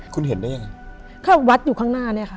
คุณเห็นได้ยังไงก็วัดอยู่ข้างหน้าเนี่ยค่ะ